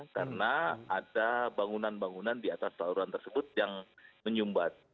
karena ada bangunan bangunan di atas saluran tersebut yang menyumbat